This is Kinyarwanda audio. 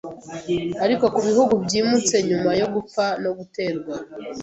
ariko ko ibihugu byimutse nyuma yo gupfa no guterwa